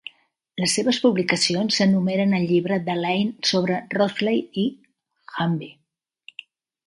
Les seves publicacions s'enumeren al llibre de Lane sobre Ropsley i Humby.